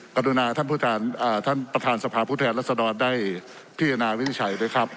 กัตุหนาท่านประธานสภาพุทธแหละสะดอดได้พี่อาณาวิทยาชัยด้วยครับ